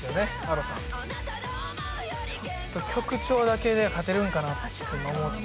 ちょっと曲調だけで勝てるんかなって。